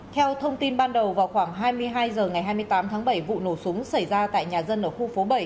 theo thông tin ban đầu vào khoảng hai mươi hai h ngày hai mươi tám tháng bảy vụ nổ súng xảy ra tại nhà dân ở khu phố bảy